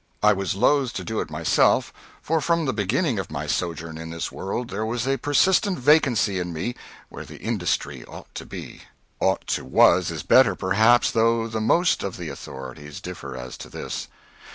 I was loath to do it myself, for from the beginning of my sojourn in this world there was a persistent vacancy in me where the industry ought to be. ("Ought to was" is better, perhaps, though the most of the authorities differ as to this.)